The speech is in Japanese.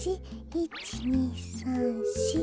１２３４。